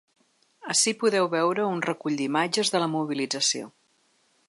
Ací podeu veure un recull d’imatges de la mobilització.